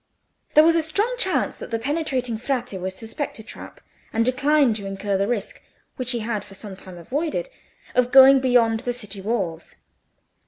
There was a strong chance that the penetrating Frate would suspect a trap, and decline to incur the risk, which he had for some time avoided, of going beyond the city walls.